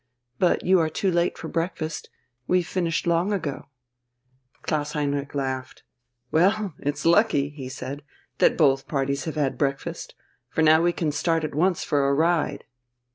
But you are too late for breakfast. We've finished long ago." Klaus Heinrich laughed. "Well, it's lucky," he said, "that both parties have had breakfast, for now we can start at once for a ride."